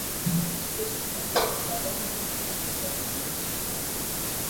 Na ushindani barani huko na kote duniani